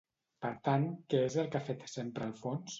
Per tant, què és el que ha fet sempre Alfons?